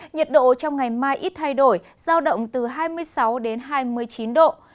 nhiệt độ trong ngày mai ít thay đổi giao động từ hai mươi sáu đến hai mươi chín độ